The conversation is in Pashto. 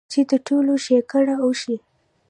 چې د ټولو ښېګړه اوشي -